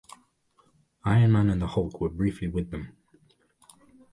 Iron Man and the Hulk were briefly with them.